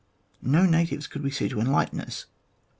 No natives could we see to enlighten us.